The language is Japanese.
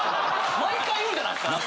毎回言うじゃないですか。